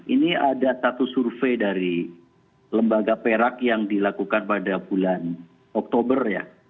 ini ada satu survei dari lembaga perak yang dilakukan pada bulan oktober dua ribu dua puluh satu